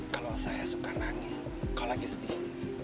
kalau saya suka nangis kau lagi sedih